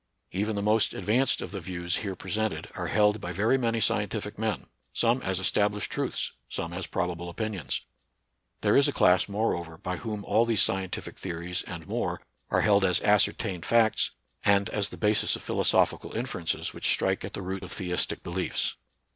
Even the most advanced of the views here presented are held by very many scientific men, — some as estab lished truths, some as probable opinions. There is a class, moreover, by whom all these scientific theories, and more, are held as ascertained facts, and as the basis of philosophical inferences which strike at the root of theistic beliefs.